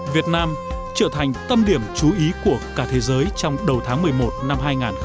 việt nam trở thành tâm điểm chú ý của cả thế giới trong đầu tháng một mươi một năm hai nghìn hai mươi